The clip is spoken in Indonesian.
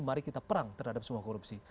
mari kita perang terhadap semua korupsi